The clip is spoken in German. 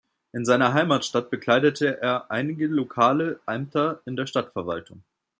In seiner Heimatstadt bekleidete er einige lokale Ämter in der Stadtverwaltung.